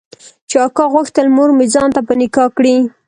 چې اکا غوښتل مورمې ځان ته په نکاح کړي.